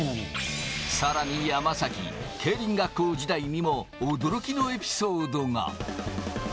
さらに山崎、競輪学校時代にも驚きのエピソードが。